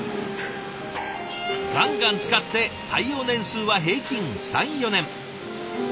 ガンガン使って耐用年数は平均３４年。